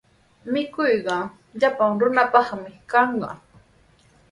Mikuyqa llapan runapaqmi kanqa.